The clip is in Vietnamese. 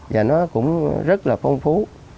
và nó cũng rất là phong phú